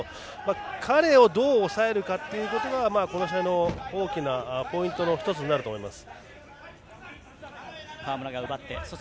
彼をどう抑えるかということがこの試合の大きなポイントの１つになるかと思います。